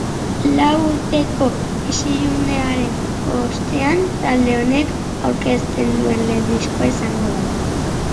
Lau urteko isilunearen ostean talde honek aurkezten duen lehen diskoa izango da.